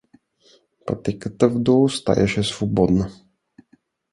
Пътеката в дола остаяше свободна.